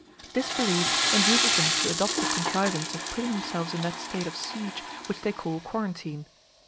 This belief induces them to adopt the contrivance of putting themselves in that state of siege which they call "quarantine."